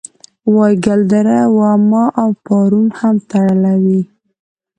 وایګل دره واما او پارون هم تړلې وې.